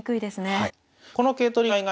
はい。